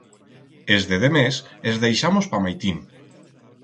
Es de demés es deixamos pa maitín.